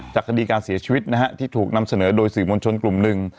คดีการเสียชีวิตนะฮะที่ถูกนำเสนอโดยสื่อมวลชนกลุ่มหนึ่ง